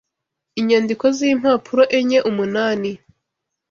Inyandiko z’impapuro enye, umunani